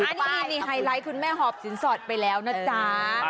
นี่ไฮไลท์คุณแม่หอบสินสอดไปแล้วนะจ๊ะ